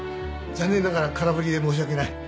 残念ながら空振りで申し訳ない。